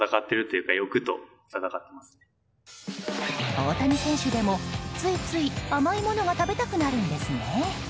大谷選手でも、ついつい甘いものが食べたくなるんですね。